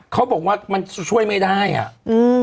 เขาบอกว่ามันช่วยไม่ได้อ่ะอืม